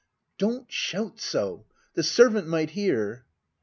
Don't shout so. The servant might hear.